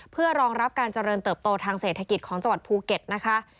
เพื่อรองรับการเจริญเติบโตทางเศรษฐกิจของจังหวัดภูเก็ตนะคะ